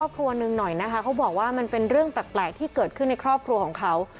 หนึ่งหน่อยนะคะเขาบอกว่ามันเป็นเรื่องแปลกที่เกิดขึ้นในครอบครัวของเขา